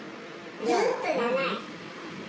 ずっとじゃない。